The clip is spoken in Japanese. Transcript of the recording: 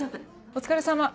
お疲れさま。